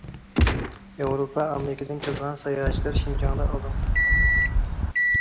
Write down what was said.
ياۋروپا، ئامېرىكىدىن كېلىدىغان ساياھەتچىلەر شىنجاڭدا ئالدىنقى قاتاردا تۇرىدۇ.